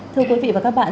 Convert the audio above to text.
thưa quý vị và các bạn